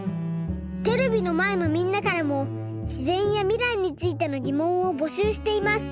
テレビのまえのみんなからもしぜんやみらいについてのぎもんをぼしゅうしています。